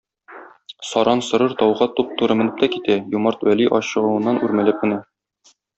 Саран Сорыр тауга туп-туры менеп тә китә, юмарт Вәли ачыгуыннан үрмәләп менә.